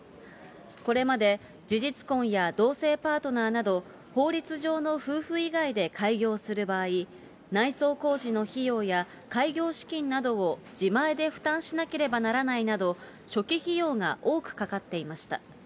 これまで事実婚や同性パートナーなど、法律上の夫婦以外で開業する場合、内装工事の費用や開業資金などを自前で負担しなければならないなど、初期費用が多くかかっていました。